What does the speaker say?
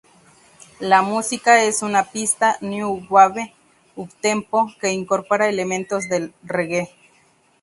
La música es una pista "new wave uptempo" que incorpora elementos del "reggae".